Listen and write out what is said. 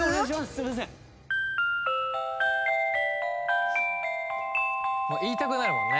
すいません言いたくなるもんね